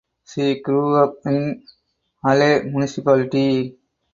She grew up in Ale Municipality.